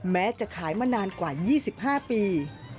แม้จะขายมานานกว่า๒๕ปี